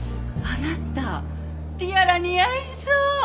あなたティアラ似合いそう！